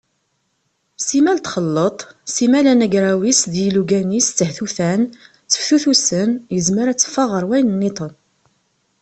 Simmal txelleḍ, simmal anagraw-is d yilugan-is ttehtutan, tteftutusen, yezmer ad teffeɣ ɣer wayen-nniḍen.